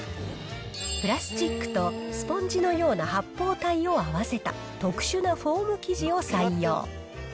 プラスチックとスポンジのような発泡体を合わせた特殊なフォーム生地を採用。